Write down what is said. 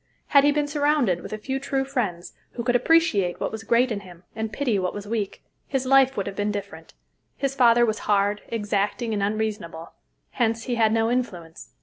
Had he been surrounded with a few true friends, who could appreciate what was great in him and pity what was weak, his life would have been different. His father was hard, exacting, and unreasonable; hence he had no influence.